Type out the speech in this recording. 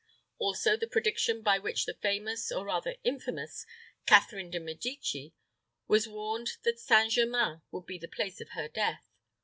Also the prediction by which the famous, or rather infamous, Catherine de Medicis was warned that St. Germains should be the place of her death.